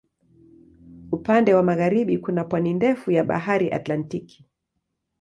Upande wa magharibi kuna pwani ndefu ya Bahari Atlantiki.